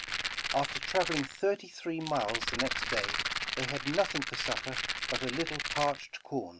After travel ing thirty three miles the next day, they had nothing for supper but a little parched com.